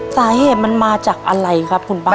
สาเหตุมันมาจากอะไรครับคุณป้า